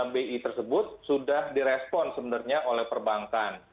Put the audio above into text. suku bunga bi tersebut sudah direspon sebenarnya oleh perbankan